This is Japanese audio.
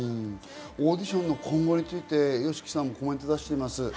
オーディションの今後についてＹＯＳＨＩＫＩさんがコメントを出しています。